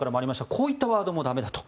こういったワードもだめだと。